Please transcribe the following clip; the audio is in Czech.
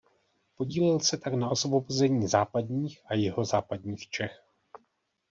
Podílel se tak na osvobození západních a jihozápadních Čech.